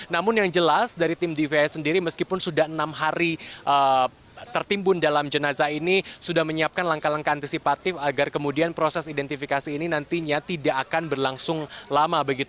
namun yang jelas dari tim dvi sendiri meskipun sudah enam hari tertimbun dalam jenazah ini sudah menyiapkan langkah langkah antisipatif agar kemudian proses identifikasi ini nantinya tidak akan berlangsung lama